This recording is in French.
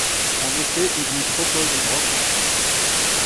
En effet, il lui propose une rencontre.